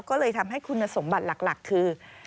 ก็เลยทำให้คุณสมบัติหลักคือ